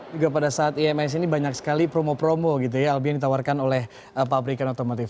juga pada saat ims ini banyak sekali promo promo gitu ya albi yang ditawarkan oleh pabrikan otomotif